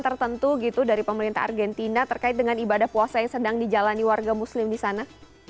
tertentu gitu dari pemerintah argentina terkait dengan ibadah puasa yang sedang dijalani warga muslim di sana